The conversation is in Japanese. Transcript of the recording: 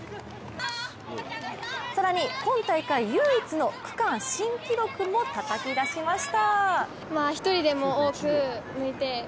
更に今大会唯一の区間新記録もたたき出しました。